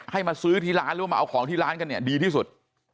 มาซื้อที่ร้านหรือว่ามาเอาของที่ร้านกันเนี่ยดีที่สุด